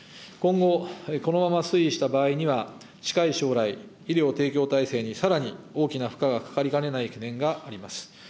今後、このまま推移した場合には、近い将来、医療提供体制にさらに大きな負荷がかかりかねない懸念があります。